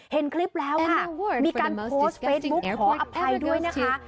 เห็นคลิปแล้วค่ะมีการโพสต์เฟซบุ๊กขออภัยด้วยนะคะ